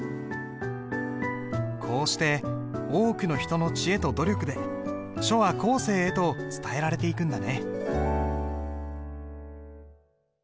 こうして多くの人の知恵と努力で書は後世へと伝えられていくんだね。